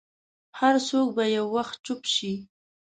هر څوک به یو وخت چوپ شي.